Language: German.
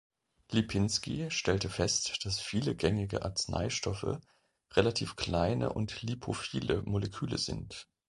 Lipinski stellte fest, dass viele gängige Arzneistoffe relativ kleine und lipophile Moleküle sind.